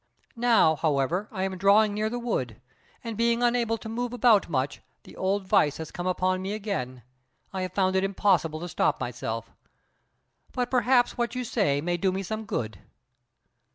Now, however, I am drawing near the wood, and being unable to move about much, the old vice has come upon me again; I have found it impossible to stop myself, but perhaps what you say may do me some good."